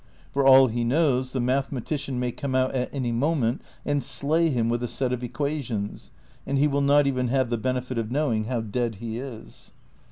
For all he knows, the mathematician may come out any moment and slay him with a set of equations, and he will not even have the benefit of knowing how dead he is.